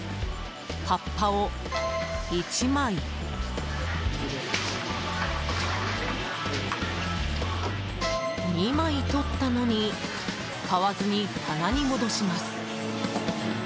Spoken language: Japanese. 葉っぱを１枚、２枚取ったのに買わずに棚に戻します。